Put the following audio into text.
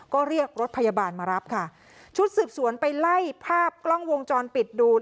ก็เรียกรถพยาบาลมารับค่ะชุดสืบสวนไปไล่ภาพกล้องวงจรปิดดู